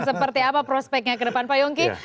seperti apa prospeknya ke depan pak yongki